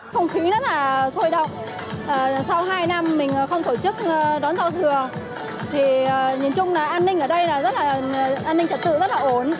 không khí rất là sôi động sau hai năm mình không tổ chức đón giao thừa thì nhìn chung là an ninh ở đây là rất là an ninh trật tự rất là ổn